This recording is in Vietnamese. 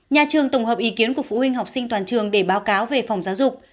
nhà trường tổng hợp ý kiến của phụ huynh học sinh toàn trường để báo cáo về phòng giáo dục